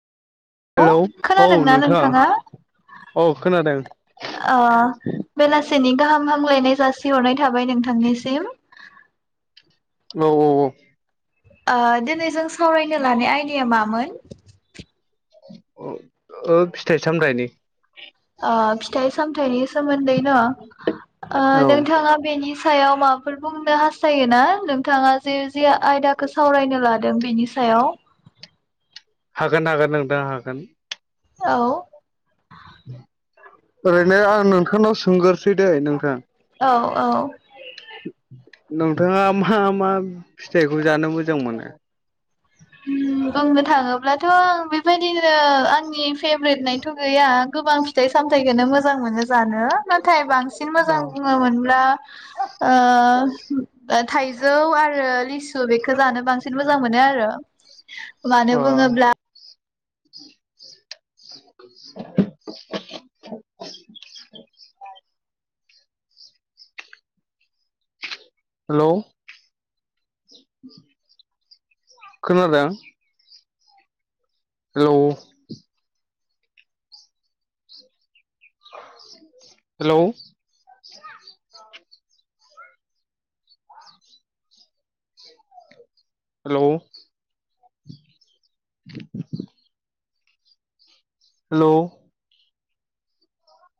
अ hello औ खोनादोंना नोंथां नोंथाङा? औ खोनादों ओ बेलासिनि गाहाम हामलायनाय जासिहरनाय थाबाय नोंथांनिसिम। औ औ औ। ओ दिनै जों सावरायनो लानाय आयदाया मामोन? ओ फिथाइ सामथाइनि। ओ फिथाइ सामथाइनि सोमोन्दैनो ओ औ नोंथाङा बेनि सायाव माबाफोर बुंनो हास्थायोना नोंथाङा जे जे आयदाखौ सावरायनो लादों बेनि सायाव। हागोन हागोन नोंथां हागोन। औ। ओरैनो आं नोंथांनाव सोंगोरसै दैे नोंथां। औ औ। नोंथाङा मा मा फिथाइखौ जानो मोजां मोनो? बुंनो थाङोब्लाथ' बेबायदिनो आंनि फेब ब्रेदनायथ' गैया गोबां फिथाइ सामथखौनो मोजां मोनो जानो नाथाय बांसिन मोजां अ बुङोमोनब्ला ओ थाइजौ आरो लिसु बेखौ जानो बांसिन मोजां मोनो आरो। मानो बुङोब्ला [inaudible] [inaudible] हेलौ। खोनादों? Hello hello [inaudible] hello hello